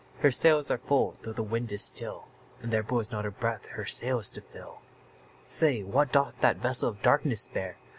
Her sails are full, though the wind is still, And there blows not a breath her sails to fill! Say, what doth that vessel of darkness bear?